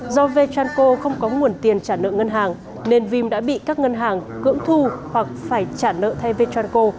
do v tranco không có nguồn tiền trả nợ ngân hàng nên vim đã bị các ngân hàng cưỡng thu hoặc phải trả nợ